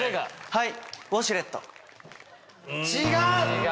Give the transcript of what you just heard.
はい。